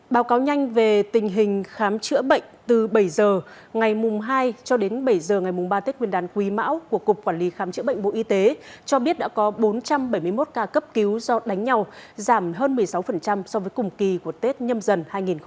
báo cáo nhanh về tình hình khám chữa bệnh từ bảy h ngày mùng hai cho đến bảy h ngày mùng ba tết nguyên đán quý mão của cục quản lý khám chữa bệnh bộ y tế cho biết đã có bốn trăm bảy mươi một ca cấp cứu do đánh nhau giảm hơn một mươi sáu so với cùng kỳ của tết nhâm dần hai nghìn một mươi chín